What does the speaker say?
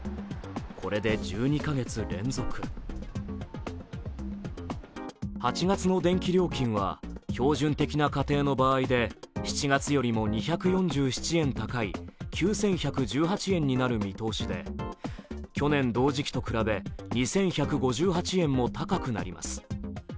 これで１２カ月連続８月の電気料金は標準的な家庭の場合で７月よりも２４７円高い９１１８円になる見通しで、去年同時期と比べ、２１５８円も高くなります。